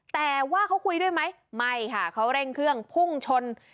แต่ว่าเขาคุยด้วยไหมไม่ค่ะเขาเร่งเครื่องพุ่งชน